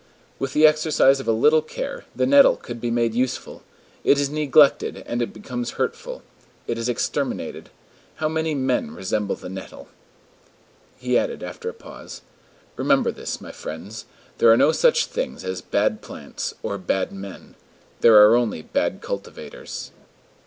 With the exercise of a little care, the nettle could be made useful; it is neglected and it becomes hurtful. It is exterminated. How many men resemble the nettle!" He added, after a pause: "Remember this, my friends: there are no such things as bad plants or bad men. There are only bad cultivators."